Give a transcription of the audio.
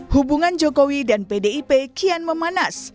hubungan jokowi dan pdip kian memanas